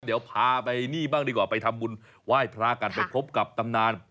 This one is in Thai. เดี๋ยวพาไปนี่บ้างดีกว่าไปทำบุญไหว้พระกันไปพบกับตำนาน